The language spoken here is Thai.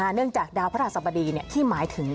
เนื่องจากดาวพระศาสตราดีที่หมายถึง